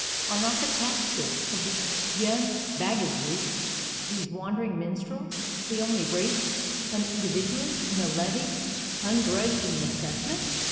Are not the taxes of these Jem Baggses, these wandering minstrels, the "only rates uninvidious in the levy, ungrudged in the assessment?"